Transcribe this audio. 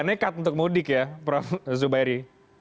nekat untuk mudik ya prof zubairi